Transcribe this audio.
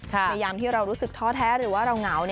พยายามที่เรารู้สึกท้อแท้หรือว่าเราเหงา